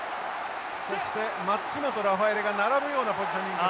そして松島とラファエレが並ぶようなポジショニング。